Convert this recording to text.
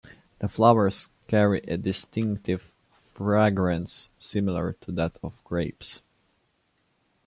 The flowers carry a distinctive fragrance similar to that of grapes.